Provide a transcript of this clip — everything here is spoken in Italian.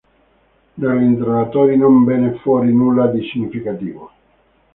Dagli interrogatori non venne fuori nulla di significativo.